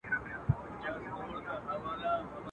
عالمه یو تر بل جارېږی.